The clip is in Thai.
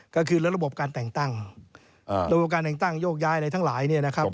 ก็คือระบบการแต่งตั้งระบบการแต่งตั้งโยกย้ายอะไรทั้งหลายเนี่ยนะครับ